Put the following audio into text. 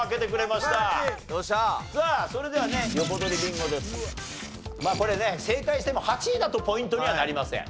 まあこれね正解しても８位だとポイントにはなりません。